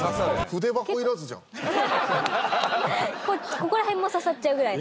ここら辺も刺さっちゃうぐらいの。